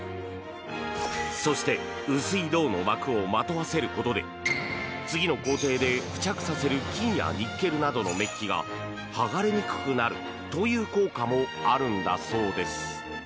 そして、薄い銅の膜をまとわせることで次の工程で付着させる金やニッケルなどのメッキが剥がれにくくなるという効果もあるんだそうです。